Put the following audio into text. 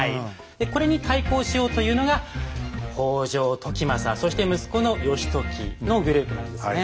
でこれに対抗しようというのが北条時政そして息子の義時のグループなんですね。